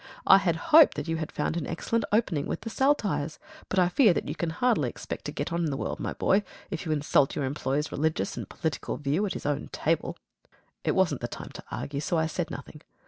I had hoped that you had found an excellent opening with the Saltires; but I fear that you can hardly expect to get on in the world, my boy, if you insult your employer's religious and political view at his own table." It wasn't a time to argue, so I said nothing.